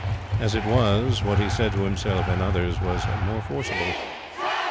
As it was, what he said to himself and others was more forcible.